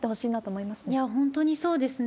いや、本当にそうですね。